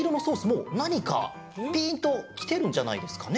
もうなにかピンときてるんじゃないですかね。